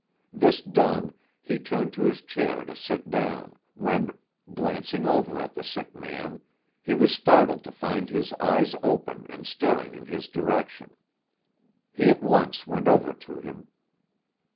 This done, he turned to his chair to sit down, when, glancing over at the sick man, he was startled to find his eyes open and staring in his direction. He at once went over to him.